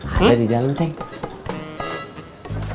ada di dalam cek